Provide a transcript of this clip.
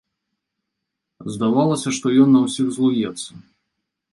Здавалася, што ён на ўсіх злуецца.